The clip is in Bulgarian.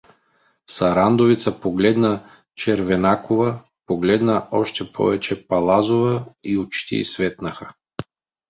Сарандовица погледна Червенакова, погледна оше повече Палазова и очите й светнаха.